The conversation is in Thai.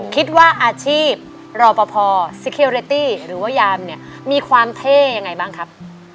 คิดว่าอาชีพรอปภซิเคลเรตตี้หรือว่ายามเนี่ยมีความเท่ยังไงบ้างครับ